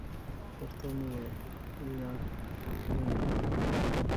ورته ومي ویل: یا نې وینې .